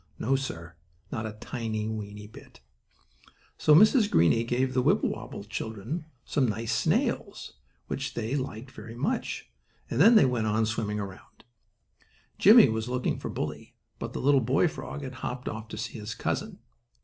No, sir, not a tiny, weeny bit. So Mrs. Greenie gave the Wibblewobble children some nice snails, which they liked very much, and then they went on swimming around. Jimmie was looking for Bully, but the little boy frog had hopped off to see his cousin.